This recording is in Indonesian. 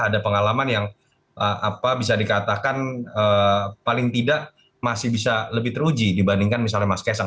ada pengalaman yang bisa dikatakan paling tidak masih bisa lebih teruji dibandingkan misalnya mas kaisang